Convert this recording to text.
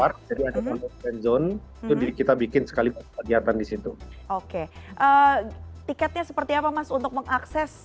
jadi ada penzone itu kita bikin sekali kegiatan di situ oke tiketnya seperti apa mas untuk mengakses